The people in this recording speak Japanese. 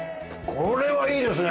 これはいいですね！